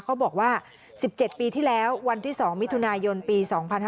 เขาบอกว่า๑๗ปีที่แล้ววันที่๒มิถุนายนปี๒๕๕๙